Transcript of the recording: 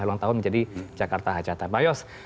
ulang tahun menjadi jakarta hajatan bang yos